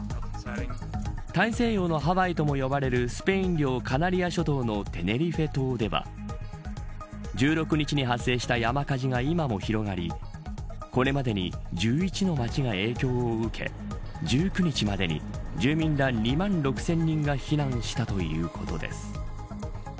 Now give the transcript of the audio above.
大西洋のハワイとも呼ばれるスペイン領カナリア諸島のテネリフェ島では１６日に発生した山火事が今も広がりこれまでに１１の町が影響を受け１９日までに住民ら２万６０００人が避難したということです。